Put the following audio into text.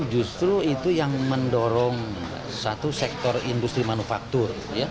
justru itu yang mendorong satu sektor industri manufaktur